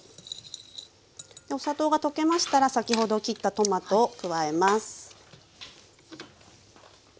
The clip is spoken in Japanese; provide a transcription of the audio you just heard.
お砂糖が溶けましたら先ほど切ったトマトを加えます。